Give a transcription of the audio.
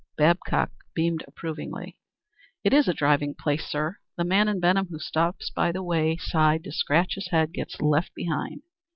Babcock beamed approvingly. "It's a driving place, sir. The man in Benham who stops by the way side to scratch his head gets left behind.